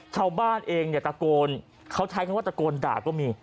ชาวบ้านเองเนี่ยตะโกนเขาใช้คำว่าตะโกนด่าก็มี